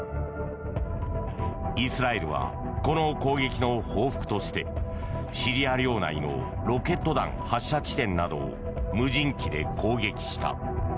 イスラエルはこの攻撃の報復としてシリア領内のロケット弾発射地点などを無人機で攻撃した。